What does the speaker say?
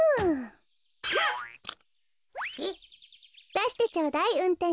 だしてちょうだいうんてん